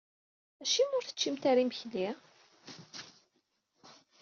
Acimi ur teččimt ara imekli?